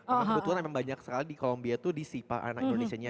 emang kebetulan memang banyak sekali di kolombia itu di sipa anak indonesia nya